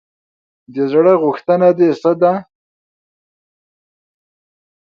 د زړه غوښتنه دې څه ده ؟